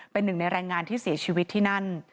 เป็นหนึ่งในแรงงานที่เสียชีวิตที่นั่น